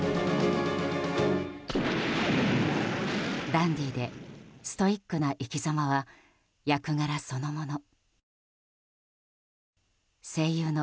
ダンディーでストイックな生きざまは役柄そのもの。